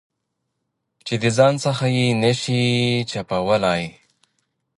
چې د ځان څخه یې نه شې چپولای.